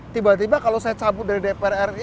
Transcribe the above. tiba tiba kalau saya cabut dari dpr ri